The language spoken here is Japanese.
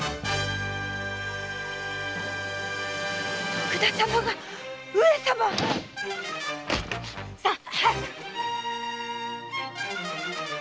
徳田様が上様⁉さあ早く！